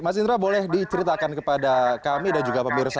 mas indra boleh diceritakan kepada kami dan juga pemirsa